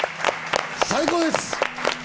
最高です！